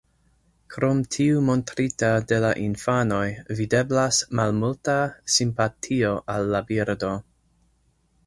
Krom tiu montrita de la infanoj, videblas malmulta simpatio al la birdo.